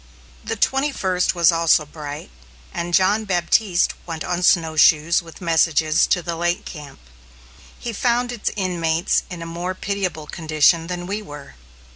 The twenty first was also bright, and John Baptiste went on snowshoes with messages to the lake camp. He found its inmates in a more pitiable condition than we were.